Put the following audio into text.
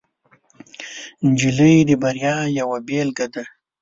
نجلۍ د بریا یوه بیلګه ده.